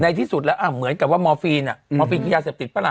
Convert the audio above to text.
ที่สุดแล้วเหมือนกับว่ามอร์ฟีนมอร์ฟีนคือยาเสพติดปะล่ะ